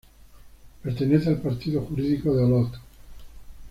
Pertenece al partido jurídico de Olot.